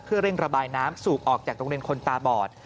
เพื่อเร่งระบายน้ำสูบออกจากโรงเรียนคนตาบอด